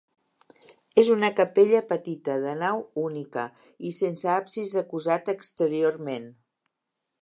És una capella petita, de nau única i sense absis acusat exteriorment.